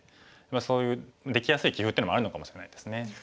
そういうできやすい棋風っていうのもあるのかもしれないですね。